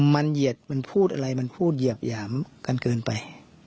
มันเหยียดมันพูดอะไรมันพูดเหยียบหยามกันเกินไป